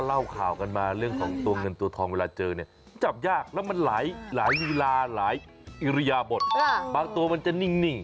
เหนื่อยสิไม่เข้าใจว่ะฮ่า